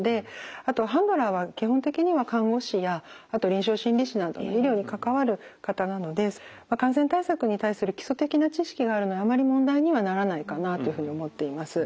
あとハンドラーは基本的には看護師やあと臨床心理士などの医療に関わる方なので感染対策に対する基礎的な知識があるのであまり問題にはならないかなというふうに思っています。